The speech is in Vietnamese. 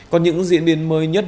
còn những diễn biến mới nhất